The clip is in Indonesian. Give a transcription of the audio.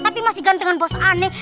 tapi masih gantengan bos aneh